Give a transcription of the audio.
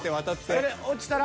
これ落ちたら。